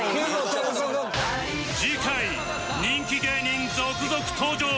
次回人気芸人続々登場！